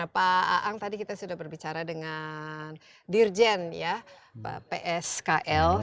pak aang tadi kita sudah berbicara dengan dirjen ya pskl